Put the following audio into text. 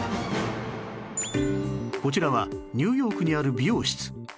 こちらはニューヨークにある美容室